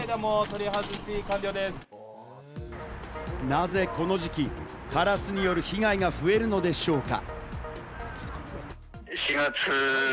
なぜこの時期、カラスによる被害が増えるのでしょうか？